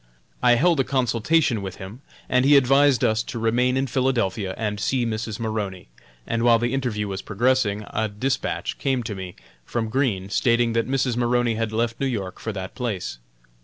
I held a consultation with him, and he advised us to remain in Philadelphia and see Mrs. Maroney; and while the interview was progressing, a dispatch came to me, from Green, stating that Mrs. Maroney had left New York for that place.